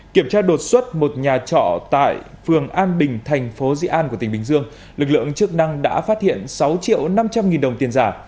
kiểm tra đột xuất một nhà trọ tại phường an bình thành phố dị an của tỉnh bình dương lực lượng chức năng đã phát hiện sáu triệu năm trăm linh nghìn đồng tiền giả